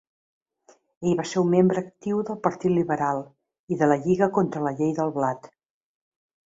Ell va ser un membre actiu del Partit Liberal i de la Lliga contra la Llei del Blat.